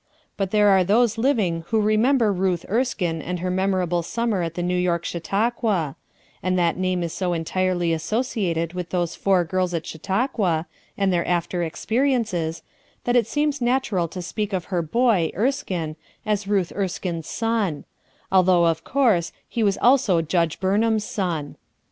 But there arc those living who remem ber Ruth Erskine and her memorable sum mer at the New York Chautauqua; and that name is so entirely associated with those four girls at Chautauqua, and their after experiences, that it seems natural to speak of her boy, Erskine, as Ruth Erskine's son; although, of course, he was also Judge Burnham's Ron.